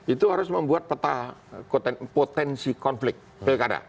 itu harus membuat peta potensi konflik pilkada